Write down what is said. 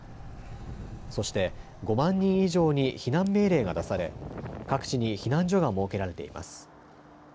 そして５万人以上に避難命令が出され各地に避難所が設けられています。